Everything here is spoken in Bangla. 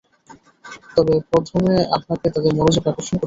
তবে প্রথমে আপনাকে তাদের মনোযোগ আকর্ষণ করতে হবে।